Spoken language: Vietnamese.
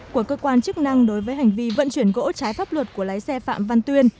của cơ quan chức năng đối với hành vi vận chuyển gỗ trái pháp luật của lái xe phạm văn tuyên